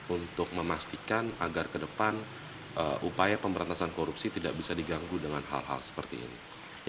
untuk memastikan agar ke depan upaya pemberantasan korupsi tidak bisa diganggu dengan hal hal seperti ini